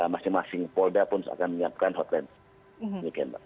masing masing polda pun akan menyiapkan hotline